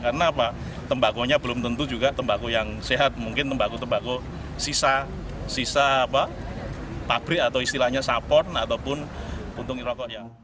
karena tembakunya belum tentu juga tembaku yang sehat mungkin tembaku tembaku sisa pabrik atau istilahnya support ataupun untung rokok